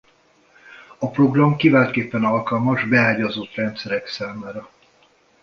A program kiváltképpen alkalmas beágyazott rendszerek számára.